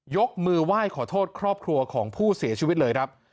ยกมือไหว้ขอโทษครอบครัวของผู้เสียชีวิตเลยครับ